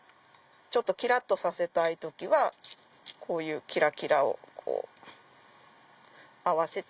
キラっとさせたい時はこういうキラキラを合わせて。